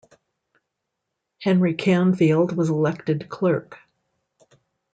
Henry Canfield was elected clerk.